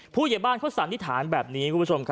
ผู้เยี่ยมบ้านเขาสันติฐานแบบนี้ครับคุณผู้ชม